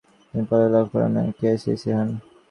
তিনি পদক লাভ করেন এবং কে.সি.বি. হন।